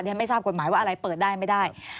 ฉันไม่ทราบกฎหมายว่าอะไรเปิดได้ไม่ได้